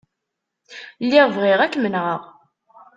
Lliɣ bɣiɣ ad kem-nɣeɣ.